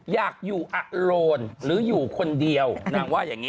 อยากอยู่อโลนหรืออยู่คนเดียวนางว่าอย่างนี้